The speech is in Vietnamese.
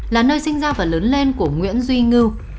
là nơi sinh ra và lớn lên của nguyễn duy ngư